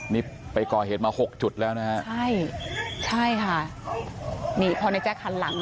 นี่ไปก่อเหตุมาหกจุดแล้วนะฮะใช่ใช่ค่ะนี่พอในแจ๊คหันหลัง